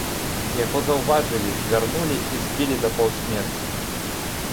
Яго заўважылі, вярнулі і збілі да паўсмерці.